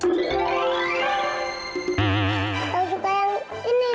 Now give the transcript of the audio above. kamu pasti suka yang ini